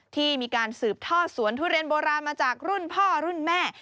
ที่มีการสืบทอดสวนทุเรียนโบราณมาจากรุ่นพ่อรุ่นแม่